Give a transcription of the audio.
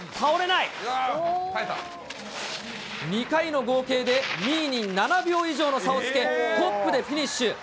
２回の合計で２位に７秒以上の差をつけ、トップでフィニッシュ。